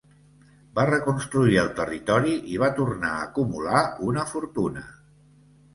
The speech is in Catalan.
Va reconstruir el territori, i va tornar a acumular una fortuna.